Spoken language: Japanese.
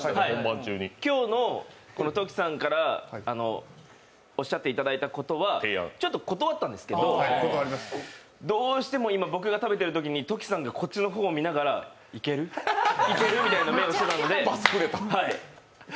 今日のトキさんからおっしゃっていただいたことはちょっと断ったんですけどどうしても今、僕が食べてるときにトキさんがこっちの方見ながらいける？いける？みたいな目をしていたので。